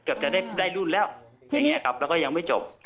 เกือบจะได้รุ่นแล้วแล้วก็ยังไม่จบ